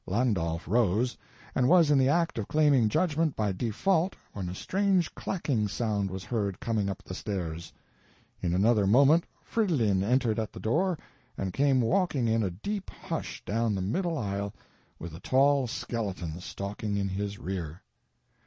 Landulph rose, and was in the act of claiming judgment by default when a strange clacking sound was heard coming up the stairs. In another moment Fridolin entered at the door and came walking in a deep hush down the middle aisle, with a tall skeleton stalking in his rear.